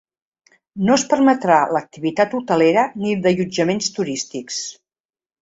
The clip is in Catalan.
No es permetrà l’activitat hotelera ni d’allotjaments turístics.